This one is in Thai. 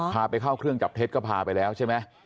พาไปเข้าเครื่องจับเท็จก็พาไปแล้วใช่ไหม